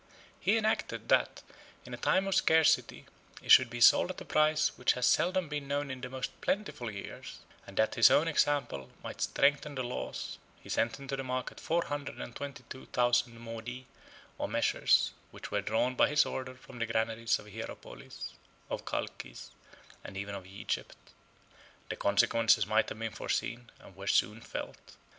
He enacted, that, in a time of scarcity, it should be sold at a price which had seldom been known in the most plentiful years; and that his own example might strengthen his laws, he sent into the market four hundred and twenty two thousand modii, or measures, which were drawn by his order from the granaries of Hierapolis, of Chalcis, and even of Egypt. The consequences might have been foreseen, and were soon felt.